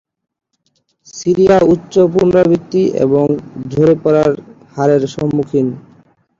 Syria উচ্চ পুনরাবৃত্তি এবং ঝরে পড়ার হারের সম্মুখীন।